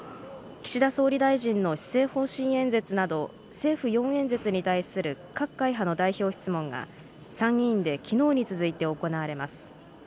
岸田総理大臣の施政方針演説など、政府４演説に対する各会派の代表質問が、参議院できのうに続いて行われます。